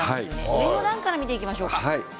上の段から見ていきましょうか。